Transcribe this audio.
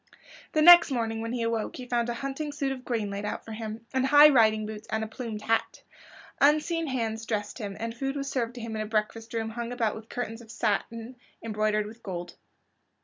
The next morning when he awoke he found a hunting suit of green laid out for him, and high riding boots and a plumed hat. Unseen hands dressed him, and food was served to him in a breakfast room hung about with curtains of satin embroidered with gold.